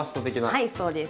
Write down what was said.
はいそうです。